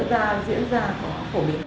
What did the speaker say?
nơi ta diễn ra có khổ điểm